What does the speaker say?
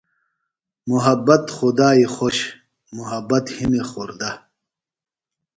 محبت خُدائی خوش محبت ہِنیۡ خوردہ۔